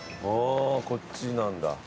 あぁこっちなんだ。